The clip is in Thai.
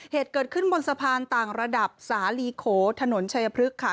เหตุเกิดขึ้นบนสะพานต่างระดับสาลีโขถนนชัยพฤกษ์ค่ะ